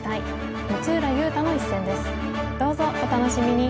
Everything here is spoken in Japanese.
どうぞお楽しみに！